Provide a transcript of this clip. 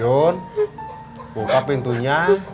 yun buka pintunya